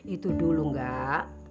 itu dulu enggak